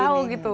apa sih ini